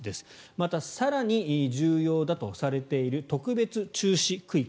また、更に重要だとされている特別注視区域。